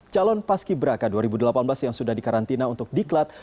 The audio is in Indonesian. calon paski braka dua ribu delapan belas yang sudah dikarantina untuk diklat